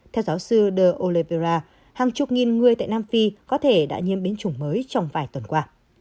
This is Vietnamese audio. theo giáo sư de olepera hàng chục nghìn người tại nam phi có thể đã nhiễm biến chủng mới trong vài tuần qua